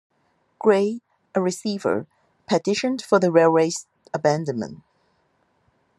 Gray, a receiver, petitioned for the railway's abandonment.